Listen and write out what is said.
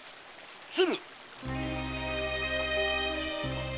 鶴！